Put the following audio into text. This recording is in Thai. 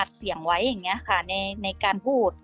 เสียงไว้อย่างนี้ค่ะในการพูด